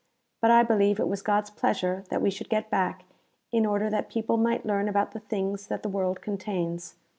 But I believe it was God's pleasure that w^e should get back in order that people might learn about the things that the world contains.